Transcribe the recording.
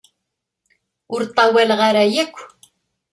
Ur ṭṭawaleɣ ara yakk.